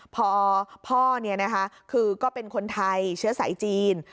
พอพ่อเนี่ยนะคะคือก็เป็นคนไทยเชื้อสายจีน